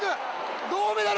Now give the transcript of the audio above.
銅メダル！